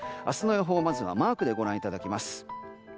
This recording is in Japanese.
明日の予報まずはマークでご覧いただきます。